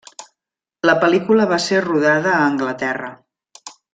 La pel·lícula va ser rodada a Anglaterra.